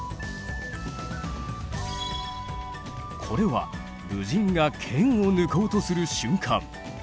これは武人が剣を抜こうとする瞬間。